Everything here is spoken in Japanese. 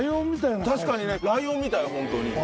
確かにねライオンみたいホントに。